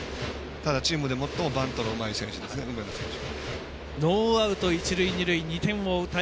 ただ、チームで最もバントのうまい選手です梅野選手。